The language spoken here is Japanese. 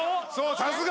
さすが。